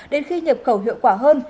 đến khi nhập khẩu hiệu quả hơn